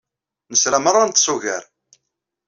Nesra meṛṛa ad neṭṭes ugar!